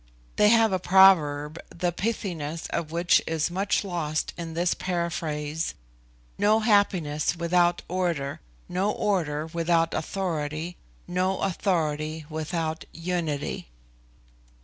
They have a proverb, the pithiness of which is much lost in this paraphrase, "No happiness without order, no order without authority, no authority without unity."